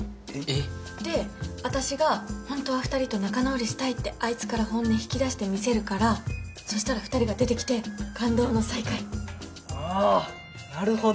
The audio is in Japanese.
で私がほんとは２人と仲直りしたいってあいつから本音引き出してみせるからそしたら２人が出てきて感動の再会あぁなるほど！